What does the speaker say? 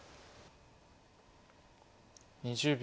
２０秒。